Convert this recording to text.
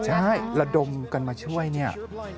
ใช่ระดมกันมาช่วย